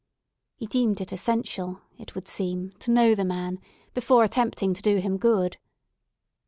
He deemed it essential, it would seem, to know the man, before attempting to do him good.